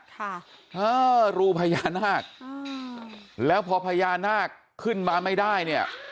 ค่ะเออรูพญานาคอืมแล้วพอพญานาคขึ้นมาไม่ได้เนี่ย